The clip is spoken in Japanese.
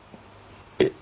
えっ？